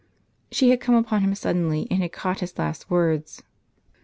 She had come upon him suddenly, and had caught his last words.